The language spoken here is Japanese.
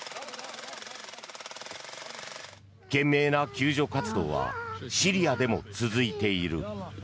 懸命な救助活動はシリアでも続いている。